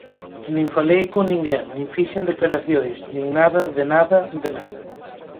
Nin falei con ninguén, nin fixen declaracións, nin nada de nada de nada.